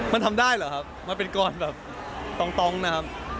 มันทำได้เหรอครับมันเป็นกรแบบต้องนะครับ